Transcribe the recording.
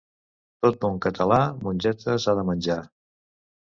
Tot bon català mongetes ha de menjar.